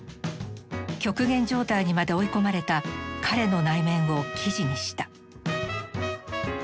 極限状態にまで追い込まれた彼の内面を記事にした。